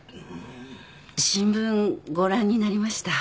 新聞ご覧になりました？